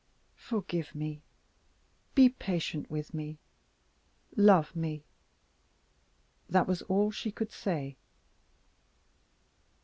"Forgive me be patient with me love me." That was all she could say.